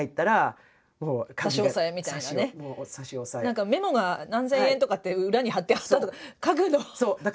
何かメモが何千円とかって裏に貼ってあったとか家具の査定。